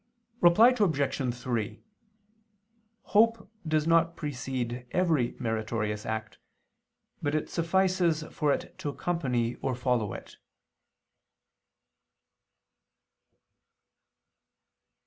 Reply Obj. 3: Hope does not precede every meritorious act; but it suffices for it to accompany or follow it.